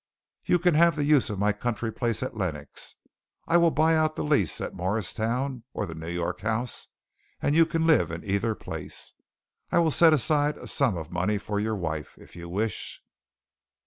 You can have the use of my country place at Lenox. I will buy out the lease at Morristown, or the New York House, and you can live in either place. I will set aside a sum of money for your wife, if you wish.